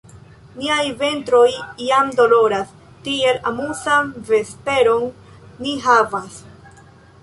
Niaj ventroj jam doloras; tiel amuzan vesperon ni havas!